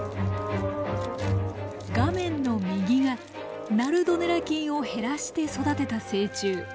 画面の右がナルドネラ菌を減らして育てた成虫。